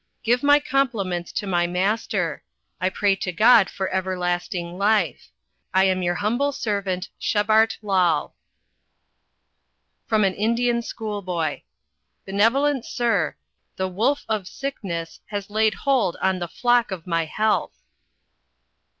Give my compliments to My Master. I pray to God for Everlasting life. I am your humble Servant Shebart Lall." From an Indian school boy: "Benevolent Sir: The wolf of sickness has laid hold on the flock of my health."